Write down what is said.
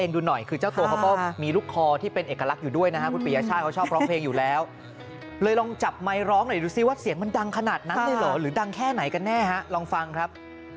เดี๋ยวดูสิว่าเสียงมันดังขนาดนั้นเลยหรือดังแค่ไหนกันแน่ฮะลองฟังครับ